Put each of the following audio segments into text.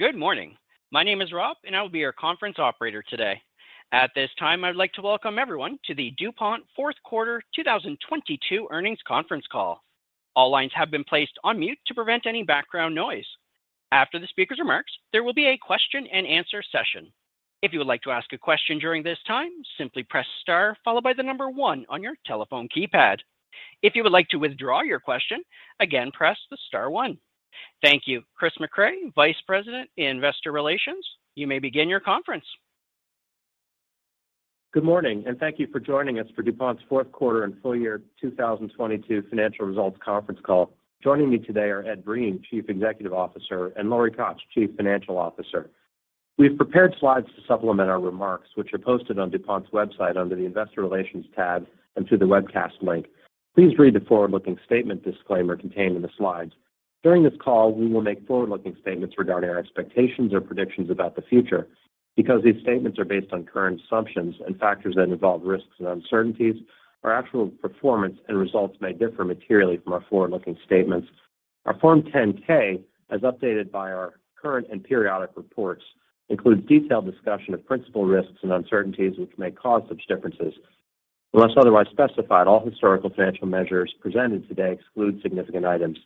Good morning. My name is Rob. I will be your conference operator today. At this time, I'd like to welcome everyone to the DuPont Q4 2022 Earnings Conference Call. All lines have been placed on mute to prevent any background noise. After the speaker's remarks, there will be a question-and-answer session. If you would like to ask a question during this time, simply press star followed by one on your telephone keypad. If you would like to withdraw your question, again, press the star one. Thank you. Chris Mecray, Vice President, Investor Relations, you may begin your conference. Good morning, thank you for joining us for DuPont's Q4 and Full Year 2022 Financial Results Conference Call. Joining me today are Ed Breen, Chief Executive Officer, and Lori Koch, Chief Financial Officer. We've prepared slides to supplement our remarks, which are posted on DuPont's website under the Investor Relations tab and through the webcast link. Please read the forward-looking statement disclaimer contained in the slides. During this call, we will make forward-looking statements regarding our expectations or predictions about the future. Because these statements are based on current assumptions and factors that involve risks and uncertainties, our actual performance and results may differ materially from our forward-looking statements. Our Form 10-K, as updated by our current and periodic reports, includes detailed discussion of principal risks and uncertainties which may cause such differences. Unless otherwise specified, all historical financial measures presented today exclude significant items.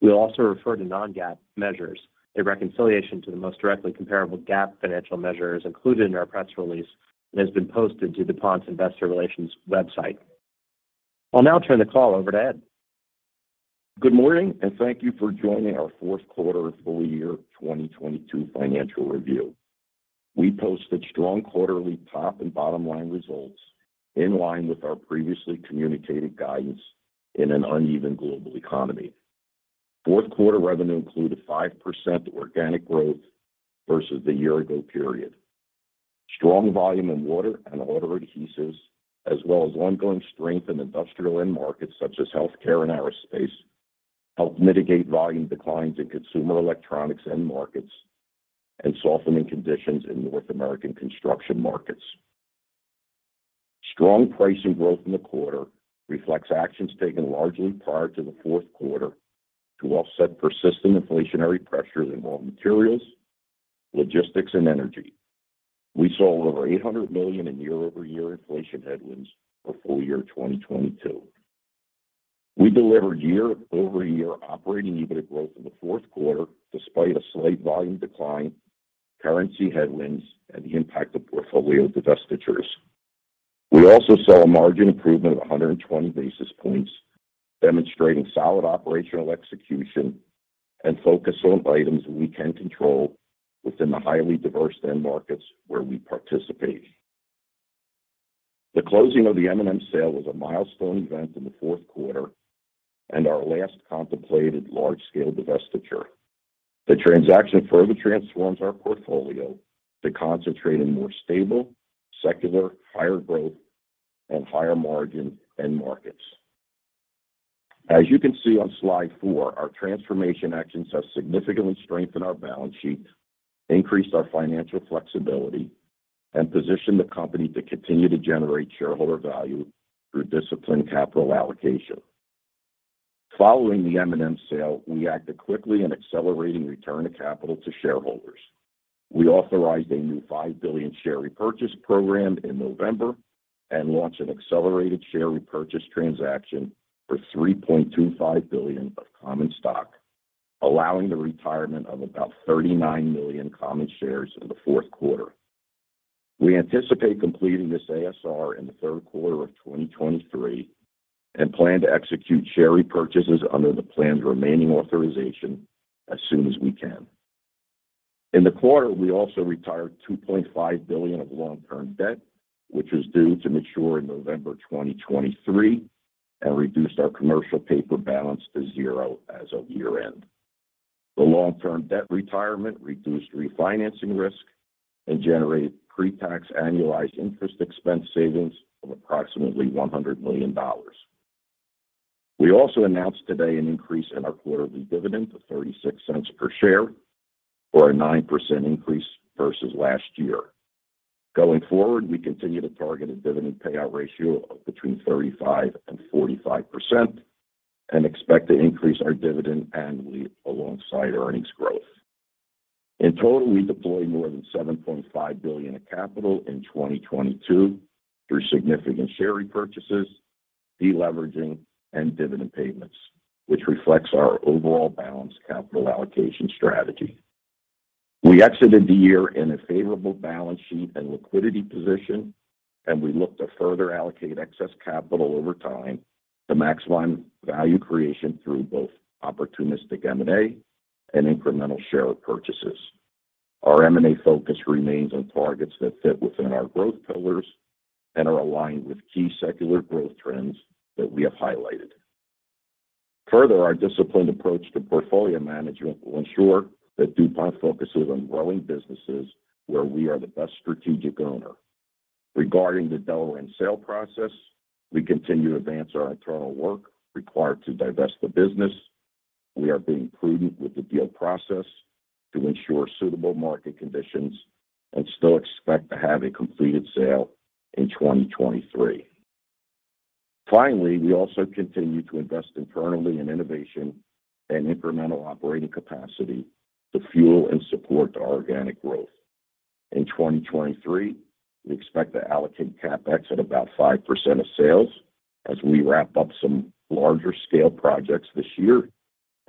We'll also refer to non-GAAP measures. A reconciliation to the most directly comparable GAAP financial measure is included in our press release and has been posted to DuPont's Investor Relations website. I'll now turn the call over to Ed. Good morning. Thank you for joining our Q4 full year 2022 financial review. We posted strong quarterly top and bottom line results in line with our previously communicated guidance in an uneven global economy. Q4 revenue included 5% organic growth versus the year-ago period. Strong volume in water and auto adhesives, as well as ongoing strength in industrial end markets such as healthcare and aerospace, helped mitigate volume declines in consumer electronics end markets and softening conditions in North American construction markets. Strong pricing growth in the quarter reflects actions taken largely prior to the Q4 to offset persistent inflationary pressures in raw materials, logistics, and energy. We saw over $800 million in year-over-year inflation headwinds for full year 2022. We delivered year-over-year operating EBITDA growth in the Q4 despite a slight volume decline, currency headwinds, and the impact of portfolio divestitures. We also saw a margin improvement of 120 basis points, demonstrating solid operational execution and focus on items we can control within the highly diverse end markets where we participate. The closing of the M&M sale was a milestone event in the Q4 and our last contemplated large-scale divestiture. The transaction further transforms our portfolio to concentrate in more stable, secular, higher growth, and higher margin end markets. As you can see on slide four, our transformation actions have significantly strengthened our balance sheet, increased our financial flexibility, and positioned the company to continue to generate shareholder value through disciplined capital allocation. Following the M&M sale, we acted quickly in accelerating return of capital to shareholders. We authorized a new $5 billion share repurchase program in November and launched an accelerated share repurchase transaction for $3.25 billion of common stock, allowing the retirement of about 39 million common shares in the Q4. We anticipate completing this ASR in the Q3 of 2023 and plan to execute share repurchases under the planned remaining authorization as soon as we can. In the quarter, we also retired $2.5 billion of long term debt, which is due to mature in November 2023, and reduced our commercial paper balance to zero as of year-end. The long term debt retirement reduced refinancing risk and generated pre-tax annualized interest expense savings of approximately $100 million. We also announced today an increase in our quarterly dividend to $0.36 per share or a 9% increase versus last year. Going forward, we continue to target a dividend payout ratio of between 35% and 45% and expect to increase our dividend annually alongside earnings growth. In total, we deployed more than $7.5 billion of capital in 2022 through significant share repurchases, de-leveraging, and dividend payments, which reflects our overall balanced capital allocation strategy. We exited the year in a favorable balance sheet and liquidity position, and we look to further allocate excess capital over time to maximize value creation through both opportunistic M&A and incremental share purchases. Our M&A focus remains on targets that fit within our growth pillars and are aligned with key secular growth trends that we have highlighted. Further, our disciplined approach to portfolio management will ensure that DuPont focuses on growing businesses where we are the best strategic owner. Regarding the Delrin sale process, we continue to advance our internal work required to divest the business. We are being prudent with the deal process to ensure suitable market conditions and still expect to have a completed sale in 2023. We also continue to invest internally in innovation and incremental operating capacity to fuel and support our organic growth. In 2023, we expect to allocate CapEx at about 5% of sales as we wrap up some larger scale projects this year,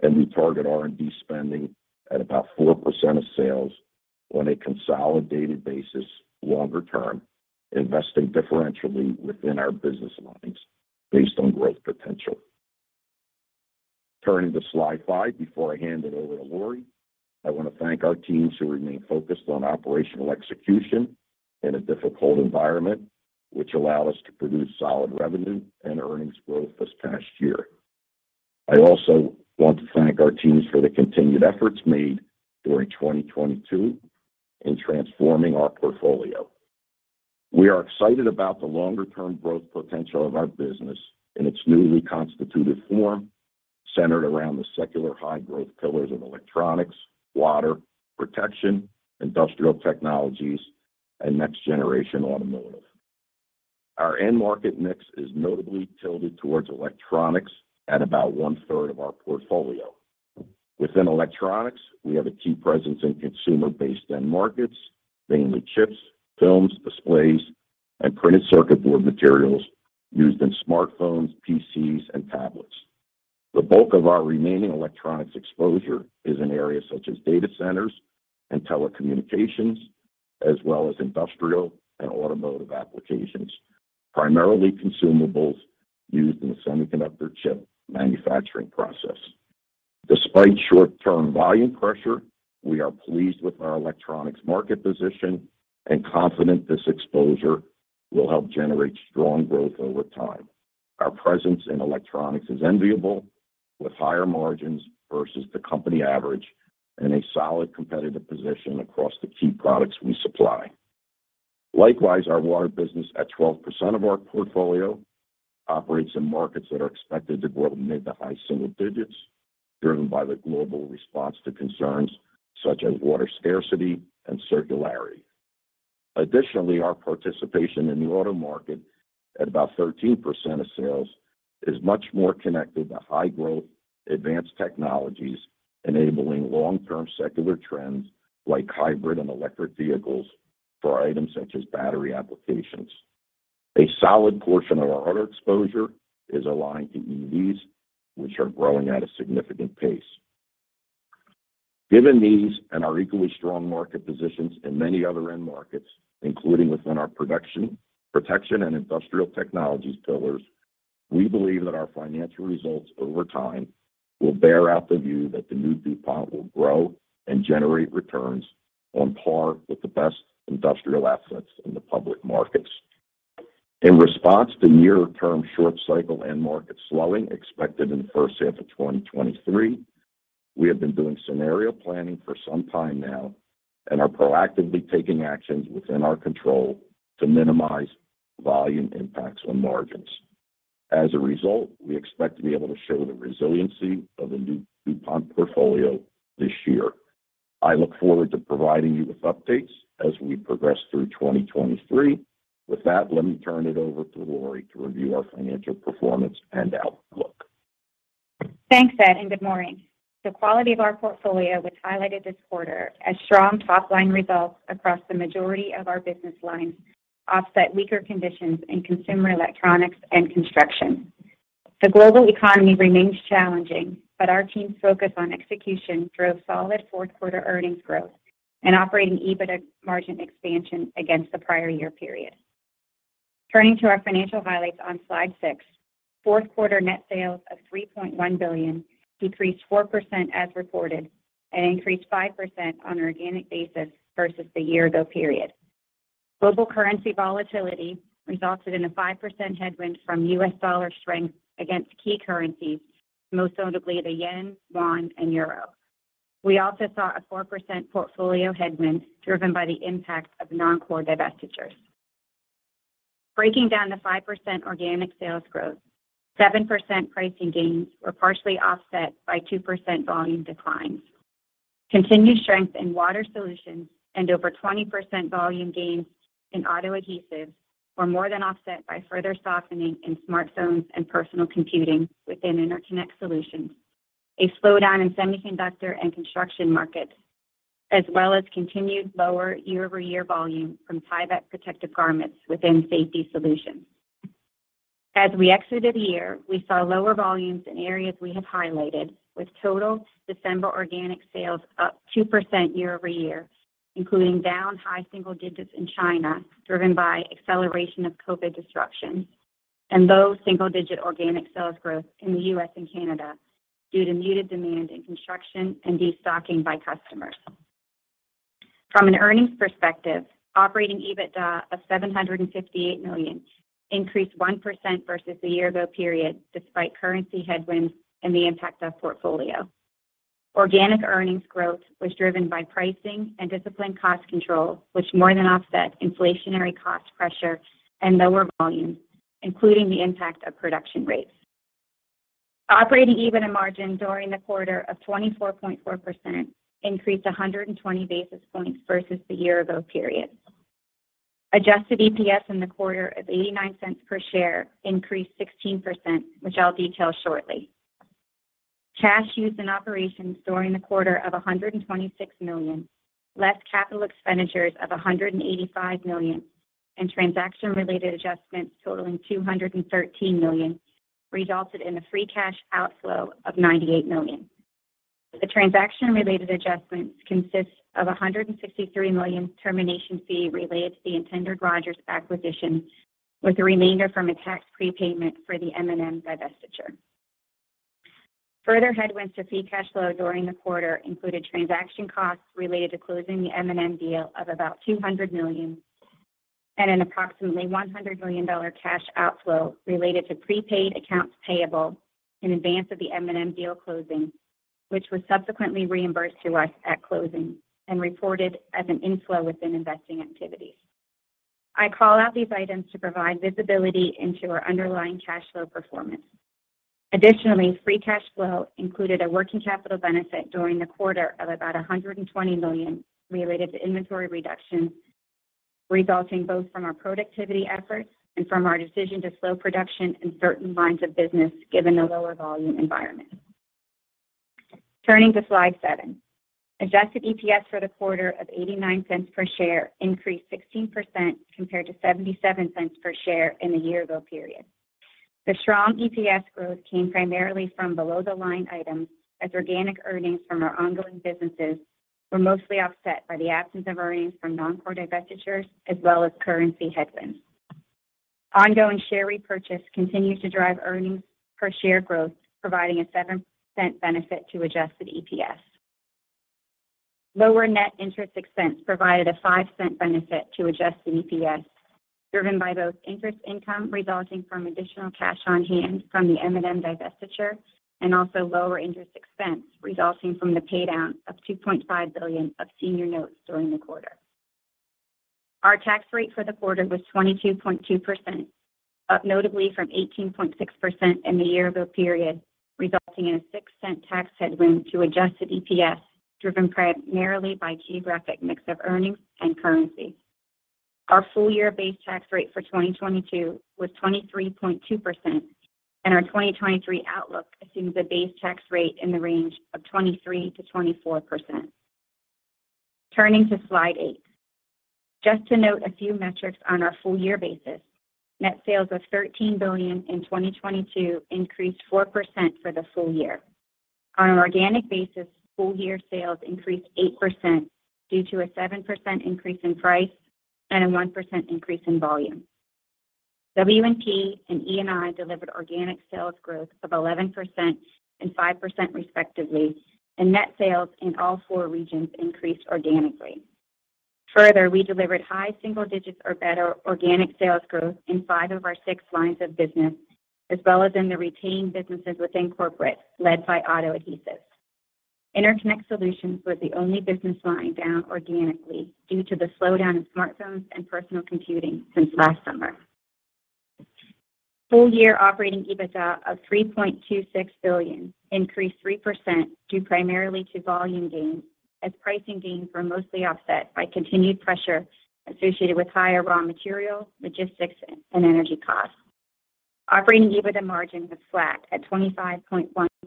and we target R&D spending at about 4% of sales on a consolidated basis longer term, investing differentially within our business lines based on growth potential. Turning to slide five, before I hand it over to Lori, I want to thank our teams who remain focused on operational execution in a difficult environment, which allow us to produce solid revenue and earnings growth this past year. I also want to thank our teams for the continued efforts made during 2022 in transforming our portfolio. We are excited about the longer term growth potential of our business in its newly constituted form, centered around the secular high growth pillars of electronics, water, protection, industrial technologies, and next generation automotive. Our end market mix is notably tilted towards electronics at about one-third of our portfolio. Within electronics, we have a key presence in consumer-based end markets, mainly chips, films, displays, and printed circuit board materials used in smartphones, PCs, and tablets. The bulk of our remaining electronics exposure is in areas such as data centers and telecommunications, as well as industrial and automotive applications, primarily consumables used in the semiconductor chip manufacturing process. Despite short-term volume pressure, we are pleased with our electronics market position and confident this exposure will help generate strong growth over time. Our presence in electronics is enviable, with higher margins versus the company average in a solid competitive position across the key products we supply. Likewise, our water business at 12% of our portfolio operates in markets that are expected to grow mid-to-high single digits, driven by the global response to concerns such as water scarcity and circularity. Our participation in the auto market at about 13% of sales is much more connected to high growth, advanced technologies, enabling long-term secular trends like hybrid and electric vehicles for items such as battery applications. A solid portion of our auto exposure is aligned to EVs, which are growing at a significant pace. Given these and our equally strong market positions in many other end markets, including within our production, protection, and industrial technologies pillars, we believe that our financial results over time will bear out the view that the new DuPont will grow and generate returns on par with the best industrial assets in the public markets. In response to near term short cycle end market slowing expected in the first half of 2023, we have been doing scenario planning for some time now and are proactively taking actions within our control to minimize volume impacts on margins. As a result, we expect to be able to show the resiliency of the new DuPont portfolio this year. I look forward to providing you with updates as we progress through 2023. With that, let me turn it over to Lori to review our financial performance and outlook. Thanks, Ed, and good morning. The quality of our portfolio was highlighted this quarter as strong top-line results across the majority of our business lines offset weaker conditions in consumer electronics and construction. The global economy remains challenging, but our team's focus on execution drove solid Q4 earnings growth and operating EBITDA margin expansion against the prior year period. Turning to our financial highlights on slide six, Q4 net sales of $3.1 billion decreased 4% as reported and increased 5% on an organic basis versus the year ago period. Global currency volatility resulted in a 5% headwind from U.S. dollar strength against key currencies, most notably the yen, won, and euro. We also saw a 4% portfolio headwind driven by the impact of non-core divestitures. Breaking down the 5% organic sales growth, 7% pricing gains were partially offset by 2% volume declines. Continued strength in Water Solutions and over 20% volume gains in auto adhesives were more than offset by further softening in smartphones and personal computing within Interconnect Solutions, a slowdown in semiconductor and construction markets, as well as continued lower year-over-year volume from Tyvek protective garments within Safety Solutions. As we exited the year, we saw lower volumes in areas we have highlighted, with total December organic sales up 2% year-over-year, including down high single digits in China, driven by acceleration of COVID disruption and low single digit organic sales growth in the U.S. and Canada due to muted demand in construction and destocking by customers. From an earnings perspective, operating EBITDA of $758 million increased 1% versus the year-ago period, despite currency headwinds and the impact of portfolio. Organic earnings growth was driven by pricing and disciplined cost control, which more than offset inflationary cost pressure and lower volumes, including the impact of production rates. Operating EBITDA margin during the quarter of 24.4% increased 120 basis points versus the year-ago period. Adjusted EPS in the quarter of $0.89 per share increased 16%, which I'll detail shortly. Cash used in operations during the quarter of $126 million, less capital expenditures of $185 million, and transaction-related adjustments totaling $213 million resulted in a free cash outflow of $98 million. The transaction-related adjustments consist of a $163 million termination fee related to the intended Rogers acquisition, with the remainder from a tax prepayment for the M&M divestiture. Further headwinds to free cash flow during the quarter included transaction costs related to closing the M&M deal of about $200 million and an approximately $100 million cash outflow related to prepaid accounts payable in advance of the M&M deal closing, which was subsequently reimbursed to us at closing and reported as an inflow within investing activities. I call out these items to provide visibility into our underlying cash flow performance. Free cash flow included a working capital benefit during the quarter of about $120 million related to inventory reductions, resulting both from our productivity efforts and from our decision to slow production in certain lines of business, given the lower volume environment. Turning to slide seven. Adjusted EPS for the quarter of $0.89 per share increased 16% compared to $0.77 per share in the year-ago period. The strong EPS growth came primarily from below-the-line items, as organic earnings from our ongoing businesses were mostly offset by the absence of earnings from non-core divestitures as well as currency headwinds. Ongoing share repurchase continues to drive earnings per share growth, providing a 7% benefit to adjusted EPS. Lower net interest expense provided a $0.05 benefit to adjusted EPS, driven by both interest income resulting from additional cash on hand from the M&M divestiture and also lower interest expense resulting from the paydown of $2.5 billion of senior notes during the quarter. Our tax rate for the quarter was 22.2%, up notably from 18.6% in the year-ago period, resulting in a $0.06 tax headwind to adjusted EPS, driven primarily by geographic mix of earnings and currency. Our full year base tax rate for 2022 was 23.2%, and our 2023 outlook assumes a base tax rate in the range of 23%-24%. Turning to slide eight. Just to note a few metrics on our full year basis. Net sales of $13 billion in 2022 increased 4% for the full year. On an organic basis, full year sales increased 8% due to a 7% increase in price and a 1% increase in volume. W&P and E&I delivered organic sales growth of 11% and 5% respectively, and net sales in all four regions increased organically. We delivered high single digits or better organic sales growth in five of our six lines of business, as well as in the retained businesses within corporate, led by auto adhesives. Interconnect Solutions was the only business line down organically due to the slowdown in smartphones and personal computing since last summer. Full year operating EBITDA of $3.26 billion increased 3% due primarily to volume gains, as pricing gains were mostly offset by continued pressure associated with higher raw material, logistics, and energy costs. Operating EBITDA margin was flat at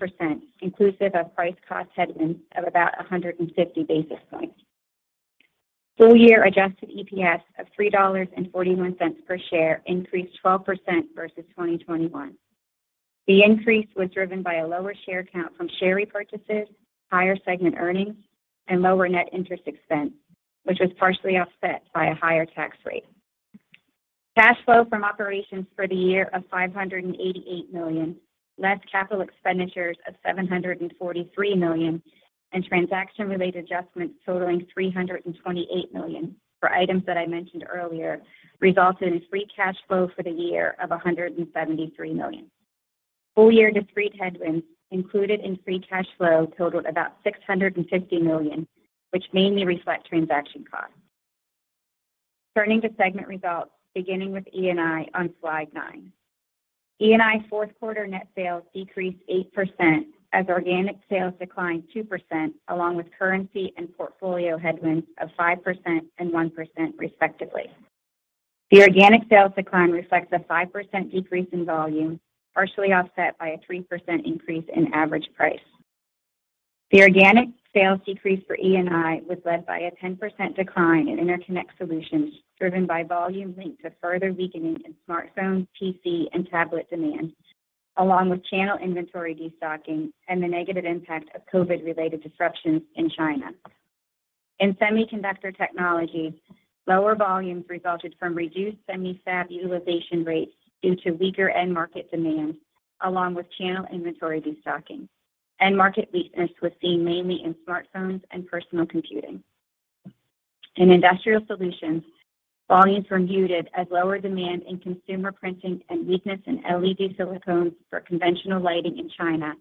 25.1%, inclusive of price cost headwinds of about 150 basis points. Full year adjusted EPS of $3.41 per share increased 12% versus 2021. The increase was driven by a lower share count from share repurchases, higher segment earnings, and lower net interest expense, which was partially offset by a higher tax rate. Cash flow from operations for the year of $588 million, less capital expenditures of $743 million, and transaction-related adjustments totaling $328 million for items that I mentioned earlier, resulted in free cash flow for the year of $173 million. Full year discrete headwinds included in free cash flow totaled about $650 million, which mainly reflect transaction costs. Turning to segment results, beginning with E&I on slide nine. E&I's Q4 net sales decreased 8% as organic sales declined 2% along with currency and portfolio headwinds of 5% and 1% respectively. The organic sales decline reflects a 5% decrease in volume, partially offset by a 3% increase in average price. The organic sales decrease for E&I was led by a 10% decline in Interconnect Solutions, driven by volume linked to further weakening in smartphone, PC, and tablet demand, along with channel inventory destocking and the negative impact of COVID-related disruptions in China. In Semiconductor Technologies, lower volumes resulted from reduced fab utilization rates due to weaker end market demand, along with channel inventory destocking. End market weakness was seen mainly in smartphones and personal computing. In Industrial Solutions, volumes were muted as lower demand in consumer printing and weakness in LED silicones for conventional lighting in China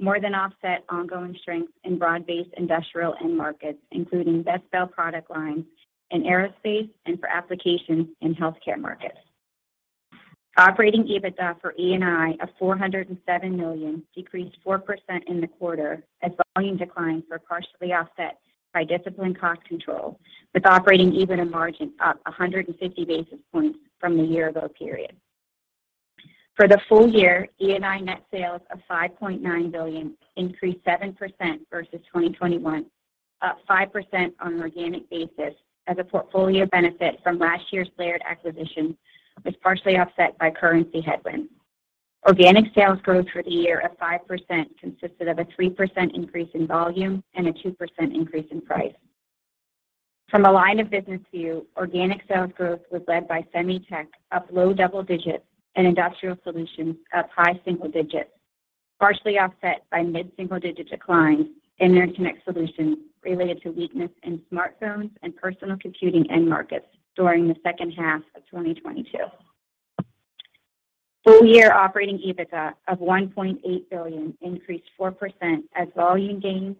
more than offset ongoing strength in broad-based industrial end markets, including [Bexsolder] product lines in aerospace and for applications in healthcare markets. Operating EBITDA for E&I of $407 million decreased 4% in the quarter as volume declines were partially offset by disciplined cost control, with operating EBITDA margin up 150 basis points from the year-ago period. For the full year, E&I net sales of $5.9 billion increased 7% versus 2021, up 5% on an organic basis as a portfolio benefit from last year's Laird acquisition was partially offset by currency headwinds. Organic sales growth for the year of 5% consisted of a 3% increase in volume and a 2% increase in price. From a line of business view, organic sales growth was led by SemiTech, up low double digits, and Industrial Solutions, up high single digits, partially offset by mid-single-digit declines in Interconnect Solutions related to weakness in smartphones and personal computing end markets during the second half of 2022. Full year operating EBITDA of $1.8 billion increased 4% as volume gains,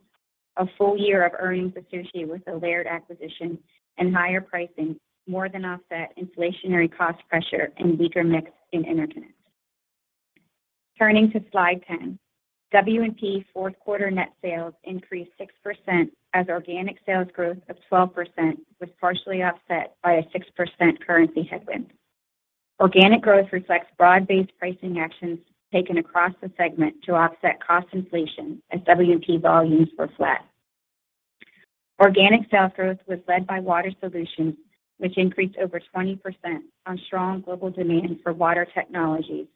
a full year of earnings associated with the Laird acquisition and higher pricing more than offset inflationary cost pressure and weaker mix in interconnect. Turning to slide 10. W&P Q4 net sales increased 6% as organic sales growth of 12% was partially offset by a 6% currency headwind. Organic growth reflects broad-based pricing actions taken across the segment to offset cost inflation as W&P volumes were flat. Organic sales growth was led by Water Solutions, which increased over 20% on strong global demand for water technologies,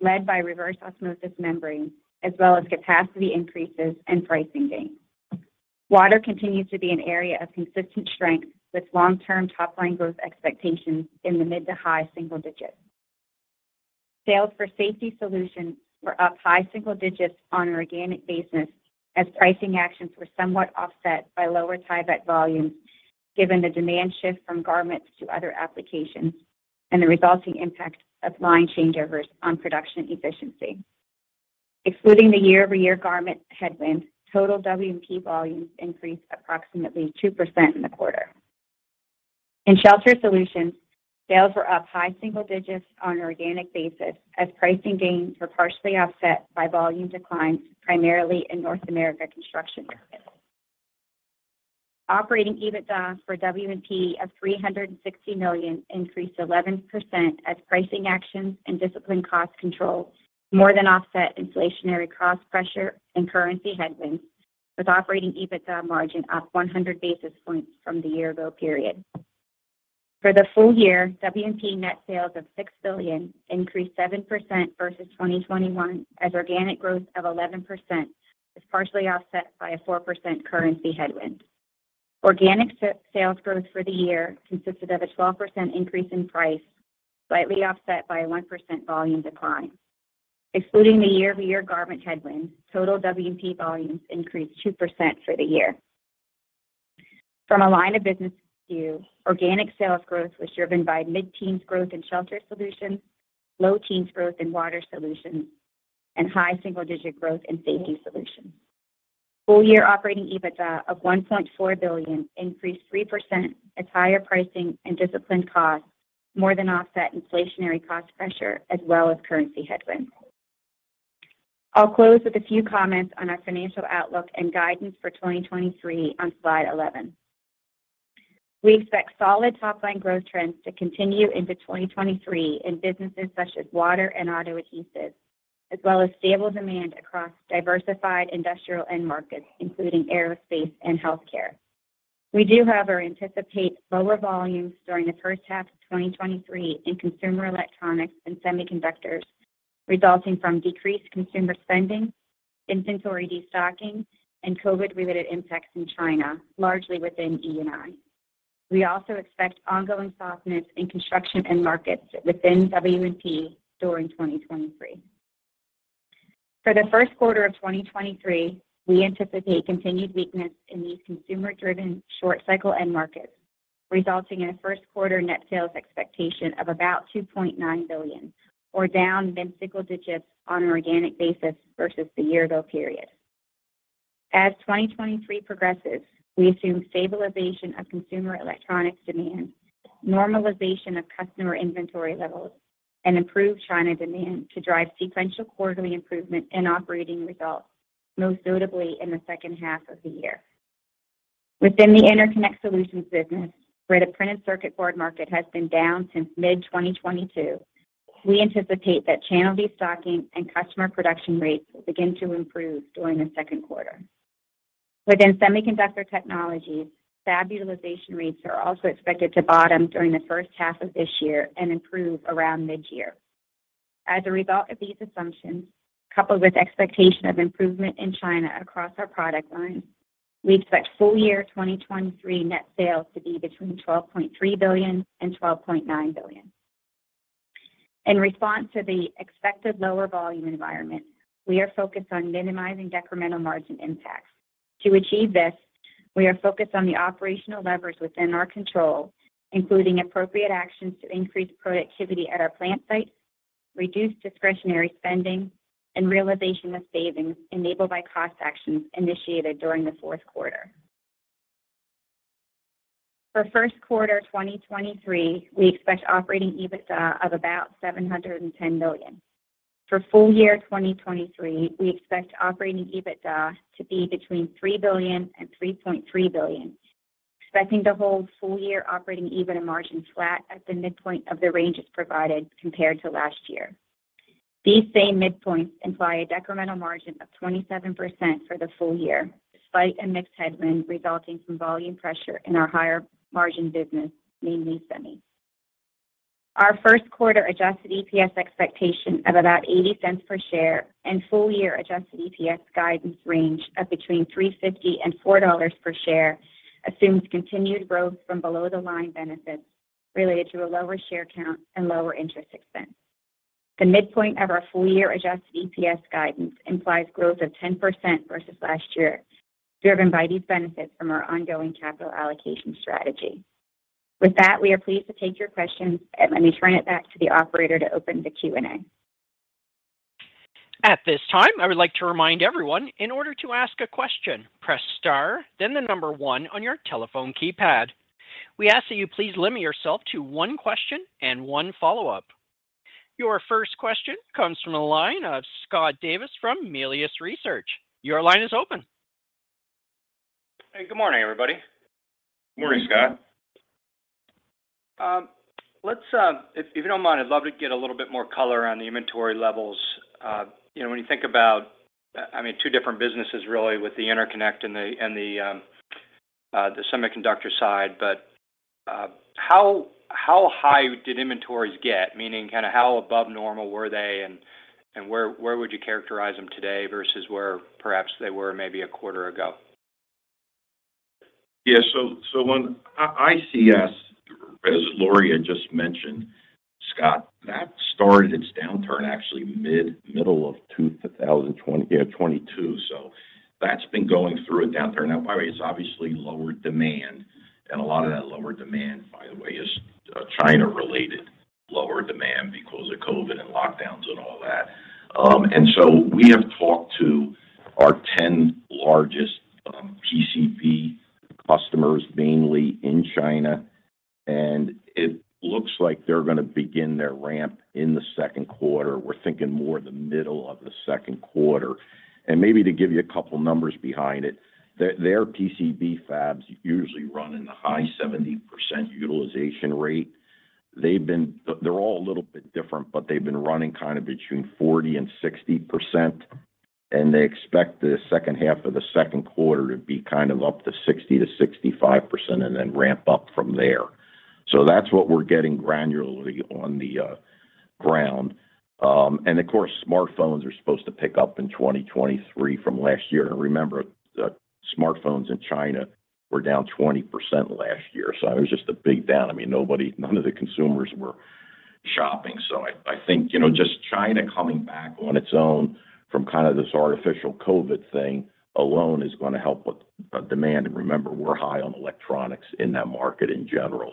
led by reverse osmosis membrane, as well as capacity increases and pricing gains. Water continues to be an area of consistent strength with long-term top-line growth expectations in the mid to high single digits. Sales for Safety Solutions were up high single digits on an organic basis as pricing actions were somewhat offset by lower Tyvek volumes, given the demand shift from garments to other applications and the resulting impact of line changeovers on production efficiency. Excluding the year-over-year garment headwind, total W&P volumes increased approximately 2% in the quarter. In Shelter Solutions, sales were up high single digits on an organic basis as pricing gains were partially offset by volume declines, primarily in North America construction. Operating EBITDA for W&P of $360 million increased 11% as pricing actions and disciplined cost control more than offset inflationary cost pressure and currency headwinds, with operating EBITDA margin up 100 basis points from the year ago period. For the full year, W&P net sales of $6 billion increased 7% versus 2021 as organic growth of 11% was partially offset by a 4% currency headwind. Organic sales growth for the year consisted of a 12% increase in price, slightly offset by a 1% volume decline. Excluding the year-over-year garment headwind, total W&P volumes increased 2% for the year. From a line of business view, organic sales growth was driven by mid-teens growth in Shelter Solutions, low teens growth in Water Solutions, and high single-digit growth in Safety Solutions. Full year operating EBITDA of $1.4 billion increased 3% as higher pricing and disciplined costs more than offset inflationary cost pressure as well as currency headwinds. I'll close with a few comments on our financial outlook and guidance for 2023 on slide 11. We expect solid top-line growth trends to continue into 2023 in businesses such as water and auto adhesives, as well as stable demand across diversified industrial end markets, including aerospace and healthcare. We do, however, anticipate lower volumes during the first half of 2023 in consumer electronics and semiconductors, resulting from decreased consumer spending, inventory destocking, and COVID-related impacts in China, largely within E&I. We also expect ongoing softness in construction end markets within W&P during 2023. For the Q1 of 2023, we anticipate continued weakness in these consumer-driven short cycle end markets, resulting in a Q1 net sales expectation of about $2.9 billion or down mid-single digits on an organic basis versus the year ago period. As 2023 progresses, we assume stabilization of consumer electronics demand, normalization of customer inventory levels, and improved China demand to drive sequential quarterly improvement in operating results, most notably in the second half of the year. Within the Interconnect Solutions business, where the Printed Circuit Board market has been down since mid-2022, we anticipate that channel destocking and customer production rates will begin to improve during the Q2. Within Semiconductor Technologies, fab utilization rates are also expected to bottom during the first half of this year and improve around mid-year. As a result of these assumptions, coupled with expectation of improvement in China across our product lines, we expect full year 2023 net sales to be between $12.3 billion and $12.9 billion. In response to the expected lower volume environment, we are focused on minimizing decremental margin impacts. To achieve this, we are focused on the operational levers within our control, including appropriate actions to increase productivity at our plant sites, reduce discretionary spending, and realization of savings enabled by cost actions initiated during the Q4. For Q1 2023, we expect operating EBITDA of about $710 million. For full year 2023, we expect operating EBITDA to be between $3 billion and $3.3 billion. Expecting to hold full year operating EBITDA margin flat at the midpoint of the ranges provided compared to last year. These same midpoints imply a decremental margin of 27% for the full year, despite a mixed headwind resulting from volume pressure in our higher margin business, namely SemiTech. Our Q1 adjusted EPS expectation of about $0.80 per share and full year adjusted EPS guidance range of between $3.50 and $4 per share assumes continued growth from below the line benefits related to a lower share count and lower interest expense. The midpoint of our full year adjusted EPS guidance implies growth of 10% versus last year, driven by these benefits from our ongoing capital allocation strategy. With that, we are pleased to take your questions, Let me turn it back to the operator to open the Q&A. At this time, I would like to remind everyone, in order to ask a question, press star, then the number one on your telephone keypad. We ask that you please limit yourself to one question and one follow-up. Your first question comes from the line of Scott Davis from Melius Research. Your line is open. Hey, good morning, everybody. Morning, Scott. If you don't mind, I'd love to get a little bit more color on the inventory levels. you know, when you think about, I mean, two different businesses really with the Interconnect and the Semiconductor side. how high did inventories get? Meaning kind of how above normal were they and where would you characterize them today versus where perhaps they were maybe a quarter ago? So on ICS, as Lori had just mentioned, Scott, that started its downturn actually middle of 2022. That's been going through a downturn. By the way, it's obviously lower demand, and a lot of that lower demand, by the way, is China-related lower demand because of COVID and lockdowns and all that. We have talked to our 10 largest PCB customers, mainly in China, and it looks like they're gonna begin their ramp in the Q2. We're thinking more the middle of the Q2. Maybe to give you a couple numbers behind it, their PCB fabs usually run in the high 70% utilization rate. They're all a little bit different, but they've been running kind of between 40% and 60%. They expect the second half of the 2Q to be kind of up to 60%-65% and then ramp up from there. That's what we're getting granularly on the ground. Of course, smartphones are supposed to pick up in 2023 from last year. Remember, smartphones in China were down 20% last year. It was just a big down. I mean, none of the consumers were shopping. I think, you know, just China coming back on its own from kind of this artificial COVID thing alone is gonna help with demand. Remember, we're high on electronics in that market in general.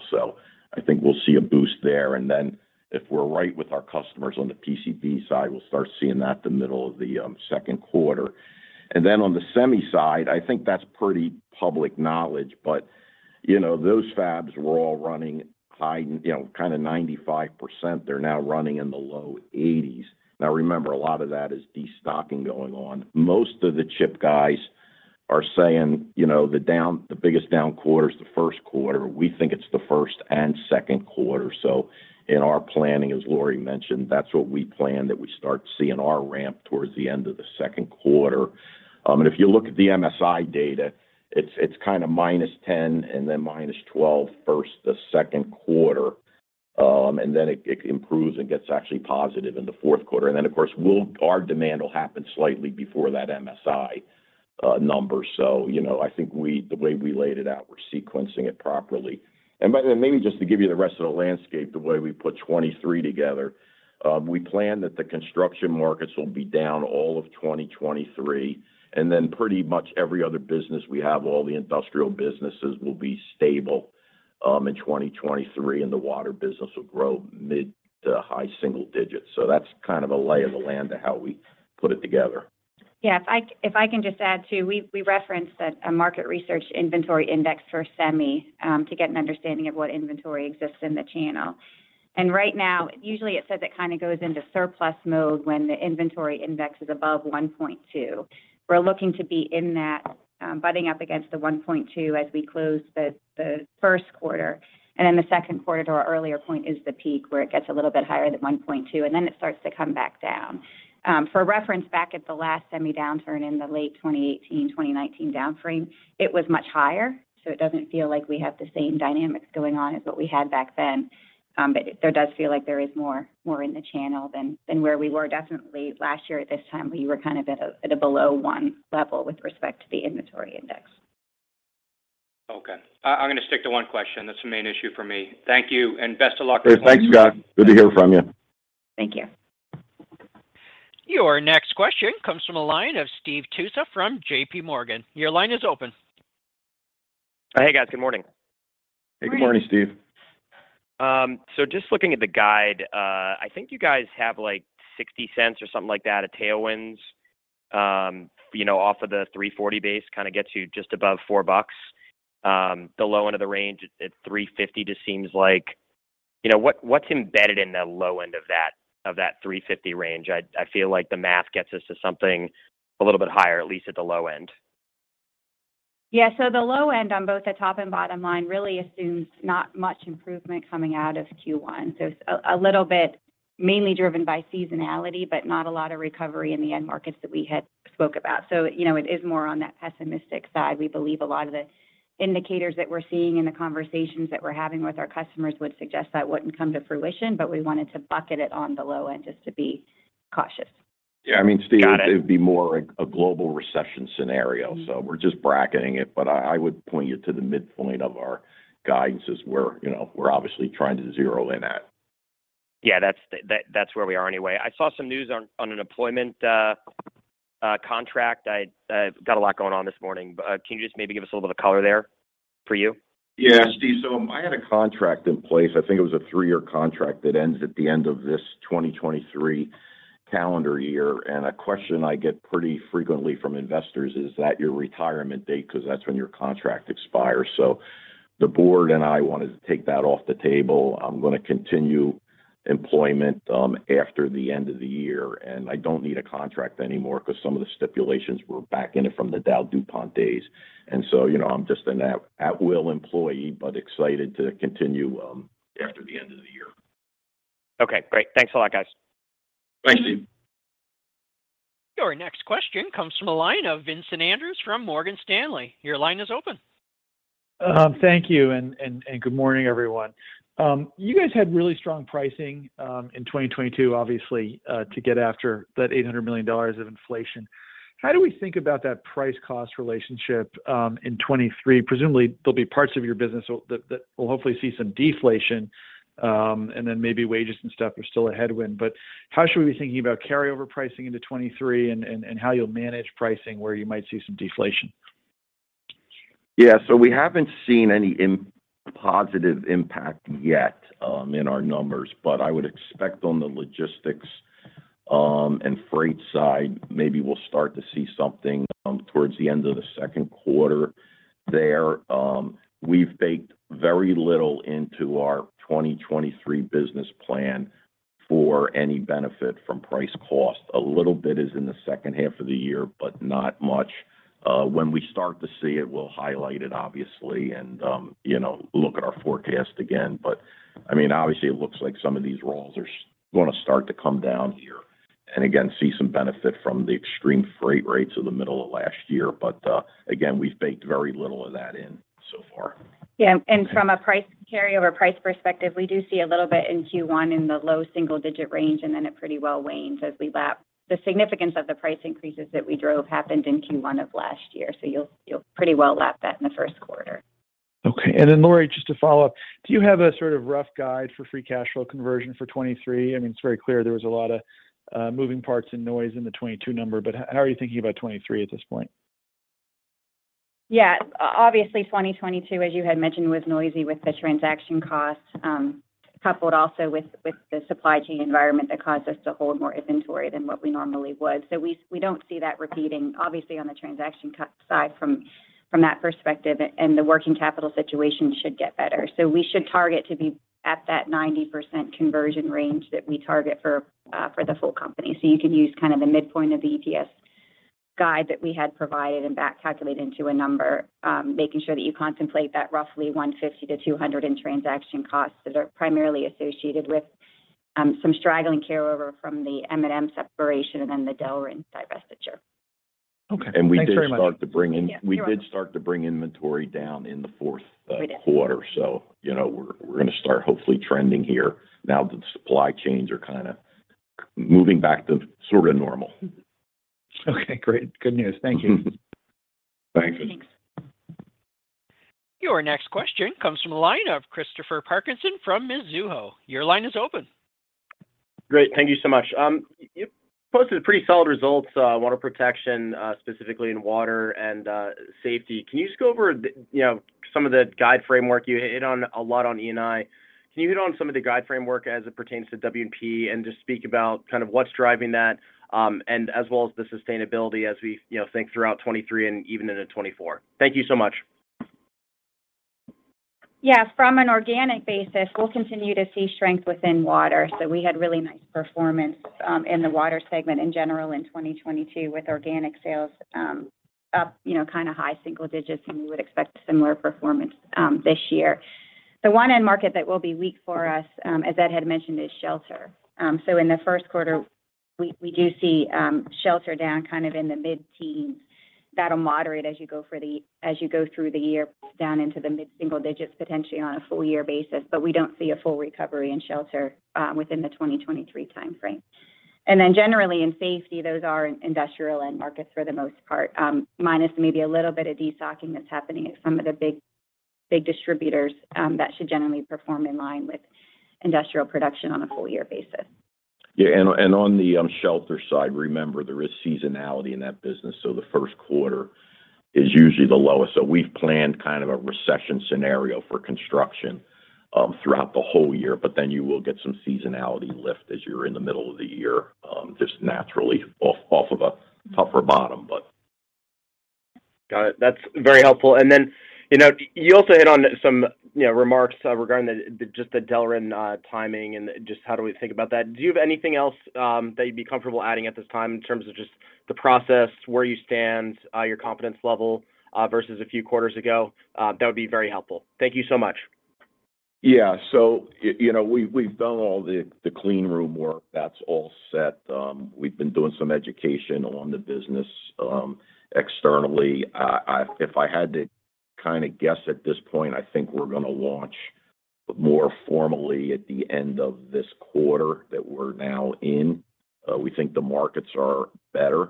I think we'll see a boost there. If we're right with our customers on the PCB side, we'll start seeing that the middle of the Q2. On the semi side, I think that's pretty public knowledge. You know, those fabs were all running high, you know, kinda 95%. They're now running in the low 80s. Remember, a lot of that is destocking going on. Most of the chip guys are saying, you know, the biggest down quarter is the Q1. We think it's the Q1 and Q2. In our planning, as Lori mentioned, that's what we plan, that we start seeing our ramp towards the end of the Q2. If you look at the MSI data, it's kinda -10% and then -12% first the Q2. It, it improves and gets actually positive in the Q4. Of course, our demand will happen slightly before that MSI number. You know, I think the way we laid it out, we're sequencing it properly. By the way, maybe just to give you the rest of the landscape, the way we put 2023 together, we plan that the construction markets will be down all of 2023. Pretty much every other business we have, all the industrial businesses will be stable in 2023, and the water business will grow mid to high single digits. That's kind of a lay of the land of how we put it together. If I can just add, too. We referenced a market research inventory index for semi to get an understanding of what inventory exists in the channel. Right now, usually it says it kinda goes into surplus mode when the inventory index is above 1.2. We're looking to be in that butting up against the 1.2 as we close the Q1. The Q2 to our earlier point is the peak where it gets a little bit higher than 1.2, and then it starts to come back down. For reference, back at the last semi downturn in the late 2018, 2019 down frame, it was much higher. It doesn't feel like we have the same dynamics going on as what we had back then. There does feel like there is more in the channel than where we were definitely last year at this time. We were kind of at a below one level with respect to the inventory index. Okay. I'm gonna stick to one question. That's the main issue for me. Thank you, and best of luck. Hey, thanks, Scott. Good to hear from you. Thank you. Your next question comes from the line of Steve Tusa from JPMorgan. Your line is open. Hey, guys. Good morning. Hey, good morning, Steve. Morning. Just looking at the guide, I think you guys have, like, $0.60 or something like that of tailwinds, you know, off of the $3.40 base, kinda gets you just above $4. The low end of the range at $3.50 just seems like. You know, what's embedded in the low end of that, of that $3.50 range? I feel like the math gets us to something a little bit higher, at least at the low end. The low end on both the top and bottom line really assumes not much improvement coming out of Q1. It's a little bit mainly driven by seasonality, but not a lot of recovery in the end markets that we had spoke about. You know, it is more on that pessimistic side. We believe a lot of the indicators that we're seeing and the conversations that we're having with our customers would suggest that wouldn't come to fruition, but we wanted to bucket it on the low end just to be cautious. Yeah, I mean, Steve. Got it. It would be more a global recession scenario, so we're just bracketing it. I would point you to the midpoint of our guidance as where, you know, we're obviously trying to zero in at. Yeah, that's where we are anyway. I saw some news on an employment contract. I've got a lot going on this morning, but can you just maybe give us a little bit of color there for you? Yeah, Steve. I had a contract in place, I think it was a three-year contract that ends at the end of this 2023 calendar year. A question I get pretty frequently from investors, "Is that your retirement date 'cause that's when your contract expires?" The board and I wanted to take that off the table. I'm gonna continue employment after the end of the year, and I don't need a contract anymore 'cause some of the stipulations were back in it from the DowDuPont days. You know, I'm just an at will employee, but excited to continue after the end of the year. Okay, great. Thanks a lot, guys. Thanks, Steve. Your next question comes from the line of Vincent Andrews from Morgan Stanley. Your line is open. Thank you and good morning, everyone. You guys had really strong pricing in 2022 obviously, to get after that $800 million of inflation. How do we think about that price/cost relationship in 2023? Presumably there'll be parts of your business that will hopefully see some deflation, and then maybe wages and stuff are still a headwind. How should we be thinking about carryover pricing into 2023 and how you'll manage pricing where you might see some deflation? Yeah. We haven't seen any positive impact yet in our numbers. I would expect on the logistics and freight side, maybe we'll start to see something towards the end of the Q2 there. We've baked very little into our 2023 business plan for any benefit from price cost. A little bit is in the second half of the year, not much. When we start to see it, we'll highlight it obviously and, you know, look at our forecast again. I mean, obviously it looks like some of these rolls are gonna start to come down here and again see some benefit from the extreme freight rates of the middle of last year. Again, we've baked very little of that in so far. Yeah. From a price carryover, price perspective, we do see a little bit in Q1 in the low single digit range, and then it pretty well wanes as we lap. The significance of the price increases that we drove happened in Q1 of last year, so you'll pretty well lap that in the Q1. Okay. Lori, just to follow up, do you have a sort of rough guide for free cash flow conversion for 2023? I mean, it's very clear there was a lot of moving parts and noise in the 2022 number, but how are you thinking about 2023 at this point? Obviously, 2022, as you had mentioned, was noisy with the transaction costs, coupled also with the supply chain environment that caused us to hold more inventory than what we normally would. We don't see that repeating obviously on the transaction side from that perspective, and the working capital situation should get better. We should target to be at that 90% conversion range that we target for for the full company. You can use kind of the midpoint of the EPS guide that we had provided and back calculate into a number, making sure that you contemplate that roughly $150-$200 in transaction costs that are primarily associated with some straggling care over from the M&M separation and then the Delrin divestiture. Okay. Thanks very much. we did start to bring in Yeah, you're welcome. We did start to bring inventory down in the fourth- We did. -quarter, you know, we're gonna start hopefully trending here now that the supply chains are kinda moving back to sorta normal. Okay, great. Good news. Thank you. Thank you. Thanks. Your next question comes from the line of Christopher Parkinson from Mizuho. Your line is open. Great. Thank you so much. you posted pretty solid results, Water & Protection, specifically in Water Solutions and Safety Solutions. Can you just go over the, you know, some of the guide framework? You hit on a lot on E&I. Can you hit on some of the guide framework as it pertains to W&P and just speak about kind of what's driving that, and as well as the sustainability as we, you know, think throughout 2023 and even into 2024? Thank you so much. From an organic basis, we'll continue to see strength within water. We had really nice performance in the water segment in general in 2022 with organic sales up, you know, kind of high single digits, and we would expect similar performance this year. The one end market that will be weak for us, as Ed had mentioned, is shelter. In the Q1, we do see shelter down kind of in the mid-teens. That'll moderate as you go through the year down into the mid-single digits, potentially on a full year basis. We don't see a full recovery in shelter within the 2023 timeframe. Generally in safety, those are in industrial end markets for the most part, minus maybe a little bit of destocking that's happening at some of the big distributors, that should generally perform in line with industrial production on a full year basis. Yeah. On the Shelter side, remember there is seasonality in that business, so the Q1 is usually the lowest. We've planned kind of a recession scenario for construction throughout the whole year. You will get some seasonality lift as you're in the middle of the year, just naturally off of a tougher bottom. Got it. That's very helpful. You know, you also hit on some, you know, remarks regarding the just the Delrin, timing and just how do we think about that? Do you have anything else, that you'd be comfortable adding at this time in terms of just the process, where you stand, your confidence level, versus a few quarters ago? That would be very helpful. Thank you so much. Yeah. you know, we've done all the cleanroom work. That's all set. We've been doing some education on the business externally. If I had to kind of guess at this point, I think we're gonna launch more formally at the end of this quarter that we're now in. We think the markets are better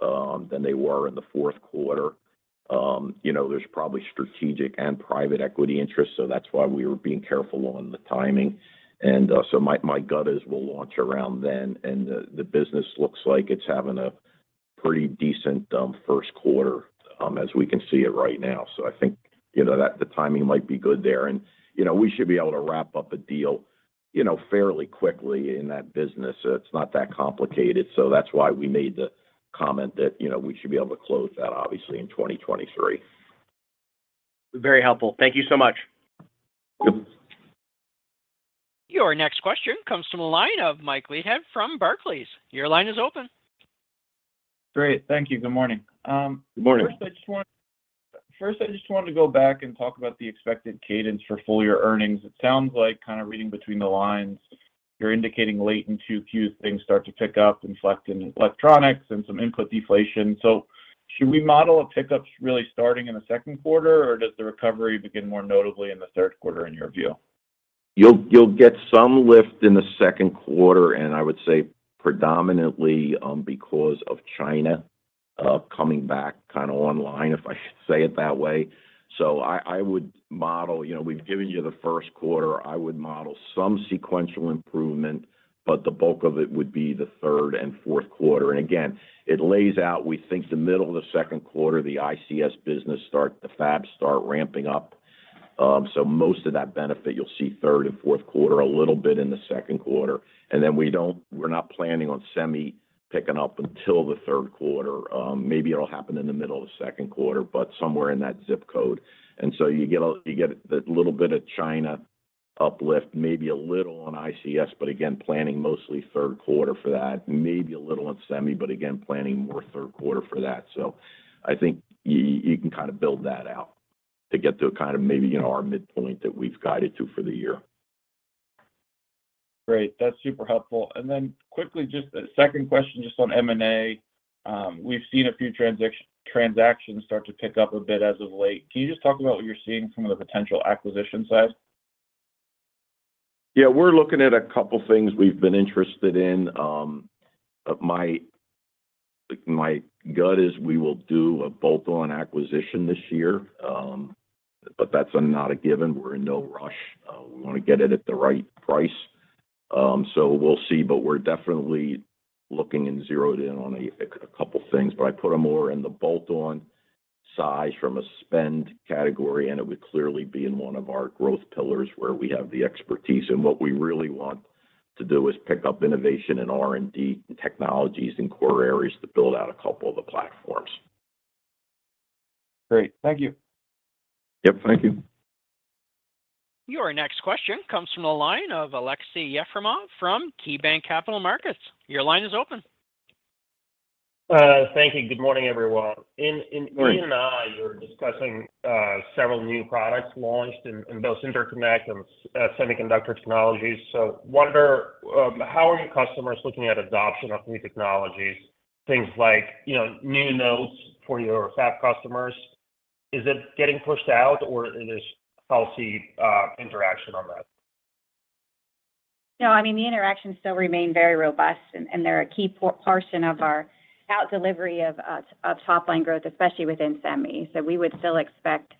than they were in the Q4. you know, there's probably strategic and private equity interest, so that's why we were being careful on the timing. My gut is we'll launch around then, and the business looks like it's having a pretty decent Q1 as we can see it right now. I think, you know, that the timing might be good there. You know, we should be able to wrap up a deal, you know, fairly quickly in that business. It's not that complicated, so that's why we made the comment that, you know, we should be able to close that obviously in 2023. Very helpful. Thank you so much. Yep. Your next question comes from the line of Mike Leithead from Barclays. Your line is open. Great. Thank you. Good morning. Good morning. First, I just wanted to go back and talk about the expected cadence for full year earnings. It sounds like kind of reading between the lines, you're indicating late in Q2 things start to pick up in electronics and some input deflation. Should we model a pickup really starting in the Q2, or does the recovery begin more notably in the Q3 in your view? You'll get some lift in the Q2, predominantly, because of China, coming back kind of online, if I should say it that way. I would model. You know, we've given you the Q1. I would model some sequential improvement, but the bulk of it would be the Q3 and Q4. Again, it lays out, we think the middle of the Q2, the ICS business start, the fabs start ramping up. Most of that benefit, you'll see Q3 and Q4, a little bit in the Q2. We're not planning on Semi picking up until the Q3. Maybe it'll happen in the middle of the Q2, but somewhere in that zip code. You get a little bit of China uplift, maybe a little on ICS. Again, planning mostly Q3 for that. Maybe a little on Semi but again, planning more Q3 for that. I think you can kind of build that out to get to a kind of maybe, you know, our midpoint that we've guided to for the year. Great. That's super helpful. Quickly, just a second question just on M&A. We've seen a few transactions start to pick up a bit as of late. Can you just talk about what you're seeing from the potential acquisition side? Yeah. We're looking at a couple things we've been interested in. My gut is we will do a bolt-on acquisition this year. That's not a given. We're in no rush. We wanna get it at the right price. We'll see. We're definitely looking and zeroed in on a couple things. I put them more in the bolt-on size from a spend category, and it would clearly be in one of our growth pillars where we have the expertise. What we really want to do is pick up innovation and R&D technologies in core areas to build out a two of the platforms. Great. Thank you. Yep. Thank you. Your next question comes from the line of Aleksey Yefremov from KeyBanc Capital Markets. Your line is open. Thank you. Good morning, everyone. Good morning. In E&I, you were discussing several new products launched in both Interconnect Solutions and Semiconductor Technologies. Wonder how are your customers looking at adoption of new technologies, things like, you know, new nodes for your fab customers? Is it getting pushed out, or is this policy interaction on that? I mean, the interactions still remain very robust, and they're a key portion of our delivery of top line growth, especially within Semi. We would still expect